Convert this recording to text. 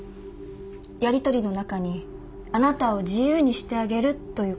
やりとりの中に「あなたを自由にしてあげる」という言葉が。